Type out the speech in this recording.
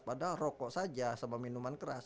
padahal rokok saja sama minuman keras